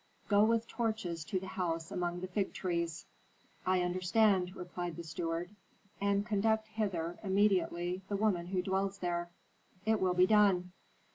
"Go with torches to the house among the fig trees." "I understand," replied the steward. "And conduct hither, immediately, the woman who dwells there." "It will be done."